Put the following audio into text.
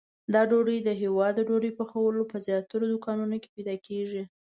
دا ډوډۍ د هیواد د ډوډۍ پخولو په زیاترو دوکانونو کې پیدا کېږي.